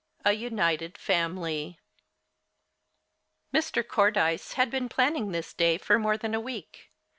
A UNITED FAMILY Mr. Cordyce had been planning this day for more than a week.